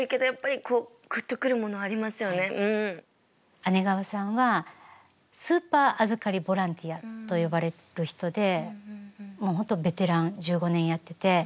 姉川さんはスーパー預かりボランティアと呼ばれる人でもう本当ベテラン１５年やってて。